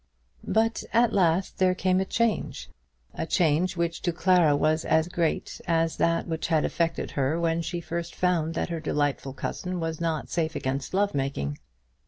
But at last there came a change, a change which to Clara was as great as that which had affected her when she first found that her delightful cousin was not safe against love making.